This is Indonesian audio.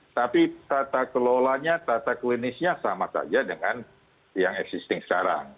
tapi tata kelolanya tata klinisnya sama saja dengan yang existing sekarang